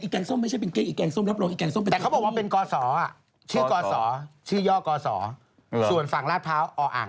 เขาบอกว่าเป็นดาราอ๋อ่าง